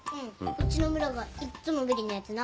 うちの村がいっつもビリのやつな。